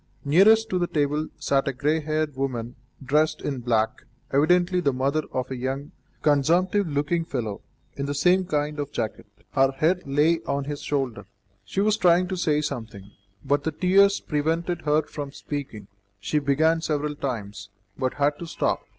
Nearest to the table sat a grey haired woman dressed in black, evidently the mother of a young, consumptive looking fellow, in the same kind of jacket. Her head lay on his shoulder. She was trying to say something, but the tears prevented her from speaking; she began several times, but had to stop.